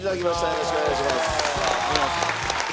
よろしくお願いします。